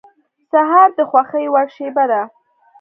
سهار د خوښې وړ شېبه ده.